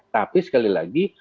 tapi sekali lagi